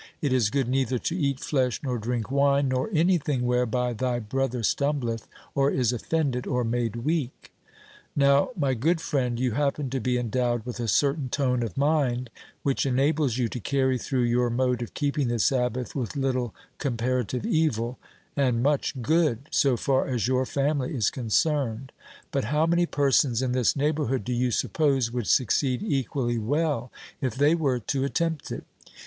It is good neither to eat flesh nor drink wine, nor any thing whereby thy brother stumbleth, or is offended, or made weak.' Now, my good friend, you happen to be endowed with a certain tone of mind which enables you to carry through your mode of keeping the Sabbath with little comparative evil, and much good, so far as your family is concerned; but how many persons in this neighborhood, do you suppose, would succeed equally well if they were to attempt it?